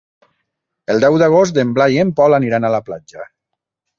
El deu d'agost en Blai i en Pol aniran a la platja.